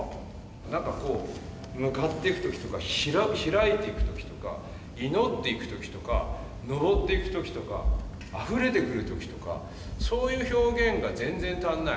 なんかこう向かっていく時とか開いていく時とか祈っていく時とかのぼっていく時とかあふれてくる時とかそういう表現が全然足んない。